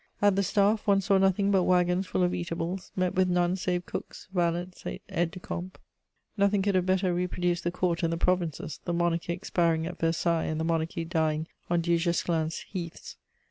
At the staff, one saw nothing but wagons full of eatables, met with none save cooks, valets, aides de camp. Nothing could have better reproduced the Court and the provinces, the monarchy expiring at Versailles and the monarchy dying on Du Guesclin's heaths.